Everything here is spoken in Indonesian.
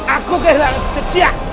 aku kehilangan jejak